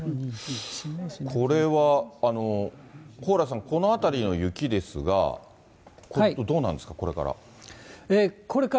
これは、蓬莱さん、このあたりの雪ですが、どうなんですか、これから。